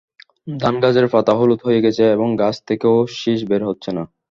ধানগাছের পাতা হলুদ হয়ে গেছে এবং গাছ থেকে শিষ বের হচ্ছে না।